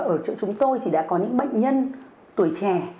ở chỗ chúng tôi thì đã có những bệnh nhân tuổi trẻ